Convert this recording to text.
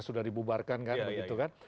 sudah dibubarkan kan begitu kan